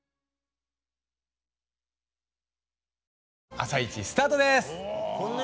「あさイチ」スタートです。